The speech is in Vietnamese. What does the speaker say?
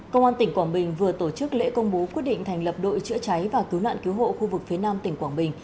công an tỉnh quảng bình vừa tổ chức lễ công bố quyết định thành lập đội chữa cháy và cứu nạn cứu hộ khu vực phía nam tỉnh quảng bình